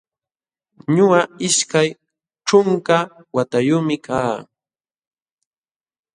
Ñuqa ishkay ćhunka watayuqmi kaa